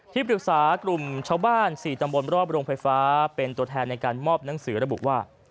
ที่ปรึกษากลุ่มชาวบ้าน๔ตำบลรอบโรงไฟฟ้าเป็นตัวแทนในการมอบหนังสือระบุว่า